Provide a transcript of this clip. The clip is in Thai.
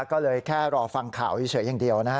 ก็เลยแค่รอฟังข่าวเฉยอย่างเดียวนะฮะ